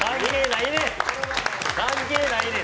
関係ないねん！